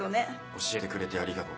教えてくれてありがとう。